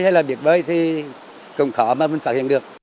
hay là biết bơi thì cũng khó mà mình phát hiện được